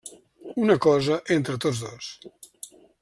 Una cosa entre tots dos.